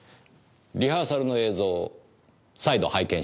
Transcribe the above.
リハーサルの映像を再度拝見しました。